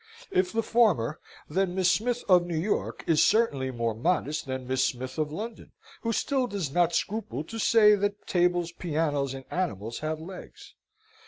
If the former, then Miss Smith of New York is certainly more modest than Miss Smith of London, who still does not scruple to say that tables, pianos, and animals have legs.